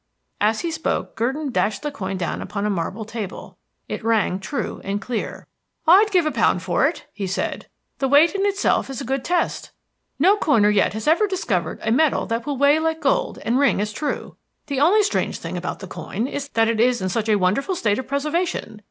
As he spoke Gurdon dashed the coin down upon a marble table. It rang true and clear. "I'd give a pound for it," he said. "The weight in itself is a good test. No coiner yet has ever discovered a metal that will weigh like gold and ring as true. The only strange thing about the coin is that it is in such a wonderful state of preservation.